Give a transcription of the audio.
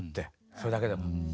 それだけでも。